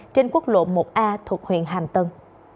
trên quốc lộ một a thuộc huyện hàm tân